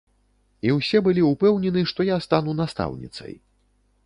І ўсе былі ўпэўнены, што я стану настаўніцай.